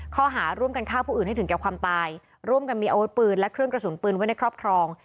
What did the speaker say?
ข้อหาร่วมกันฆ่าผู้อื่นให้ถึงแก่ความตายร่วมกันมีอาวุธปืนและเครื่องกระสุนปืนไว้ในครอบครอง